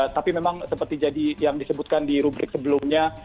tapi memang seperti yang disebutkan di rubrik sebelumnya